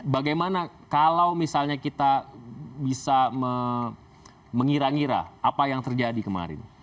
bagaimana kalau misalnya kita bisa mengira ngira apa yang terjadi kemarin